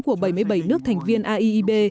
của bảy mươi bảy nước thành viên aiib